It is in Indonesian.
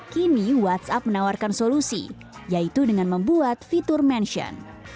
kini whatsapp menawarkan solusi yaitu dengan membuat fitur mention